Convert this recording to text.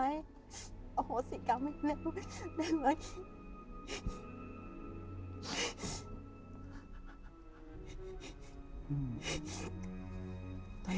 ได้ไหมโอ้โหสิกรรมให้เร็วได้ไหม